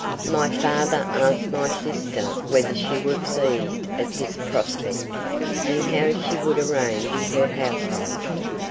My father asked my sister whether she were pleased at this prospect, and how she would arrange her household.